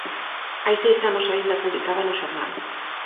Hai seis anos aínda publicaba no xornal.